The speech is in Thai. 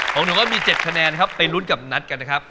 ผมถือว่ามี๗คะแนนครับไปลุ้นกับนัทกันนะครับ